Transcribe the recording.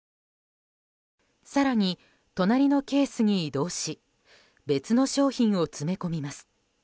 更に隣のケースに移動し別の商品を詰め込みます。